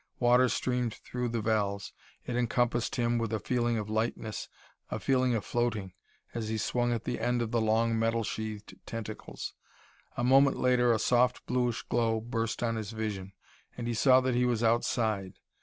Water streamed through the valves; it encompassed him with a feeling of lightness, a feeling of floating, as he swung at the end of the long metal sheathed tentacles. A moment later a soft bluish glow burst on his vision, and he saw that he was outside.